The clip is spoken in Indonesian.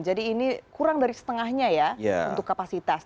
jadi ini kurang dari setengahnya ya untuk kapasitas